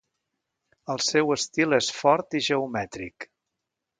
El seu estil és fort i geomètric.